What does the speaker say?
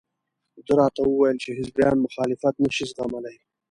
ده راته وویل چې حزبیان مخالفت نشي زغملى.